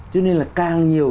cho nên là càng nhiều